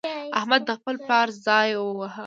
احمد د خپل پلار ځای وواهه.